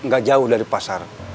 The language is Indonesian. gak jauh dari pasar